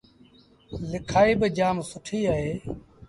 ليکآئيٚ با جآم سُٺيٚ اهي